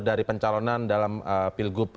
dari pencalonan dalam pilgub